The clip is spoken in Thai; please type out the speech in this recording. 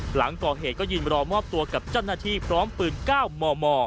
หลังก่อเหตุก็ยืนรอมอบตัวกับเจ้าหน้าที่พร้อมปืน๙มม